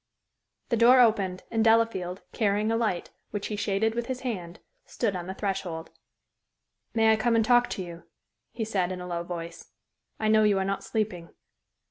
The door opened, and Delafield, carrying a light, which he shaded with his hand, stood on the threshold. "May I come and talk to you?" he said, in a low voice. "I know you are not sleeping."